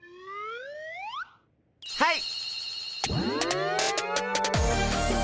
はい。